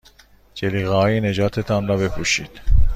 جلیقههای نجات تان را بپوشید.